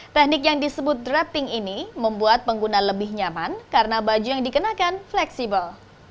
teknik yang disebut drapping ini membuat pengguna lebih nyaman karena baju yang dikenakan fleksibel